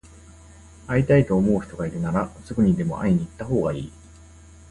会いたいと思う人がいるなら、すぐにでも会いに行ったほうがいい。